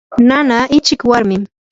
nanaa hiqchi warmim.